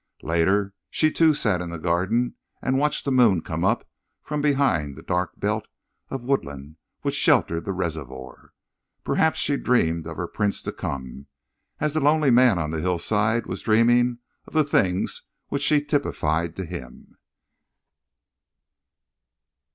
Later, she too sat in the garden and watched the moon come up from behind the dark belt of woodland which sheltered the reservoir. Perhaps she dreamed of her prince to come, as the lonely man on the hillside was dreaming of the things which she typified to him.